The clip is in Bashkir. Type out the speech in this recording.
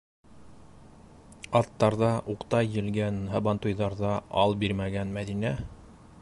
Аттарҙа уҡтай елгән, һабантуйҙарҙа ал бирмәгән Мәҙинә...